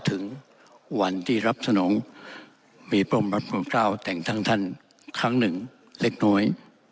ถึงวันที่รับสนองมีพระมรับโปรเกล้าแต่งทั้งท่านครั้งหนึ่งเล็กน้อย